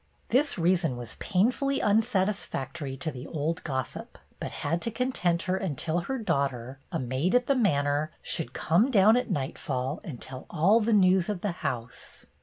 This reason was painfully unsatisfactory to the old gossip, but had to content her until her daughter, a maid at the manor, should come down at nightfall and tell all the news of the house.